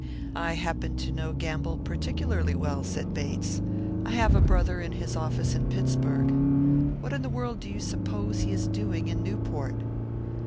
"I happen to know Gamble particularly well," said Bates. "I have a brother in his office in Pittsburg. What in the world do you suppose he is doing in Newport?"